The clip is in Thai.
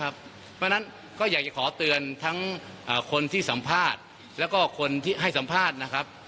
เพราะฉะนั้นก็อยากจะขอเตือนทั้งคนที่สัมภาษณ์แล้วก็คนที่ให้สัมภาษณ์นะครับ